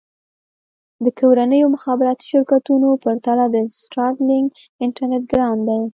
د کورنیو مخابراتي شرکتونو پرتله د سټارلېنک انټرنېټ ګران دی.